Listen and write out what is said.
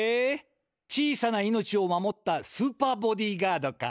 小さな命を守ったスーパーボディーガードか。